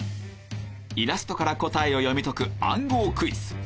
イラストから答えを読み解く暗号クイズ